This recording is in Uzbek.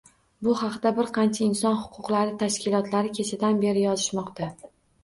Bu haqda bir qancha inson huquqlari tashkilotlari kechadan beri yozishmoqda.